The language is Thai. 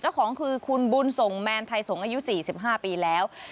เจ้าของคือคุณบุญส่งแมนไทยสงศ์อายุ๔๕ปีแล้ว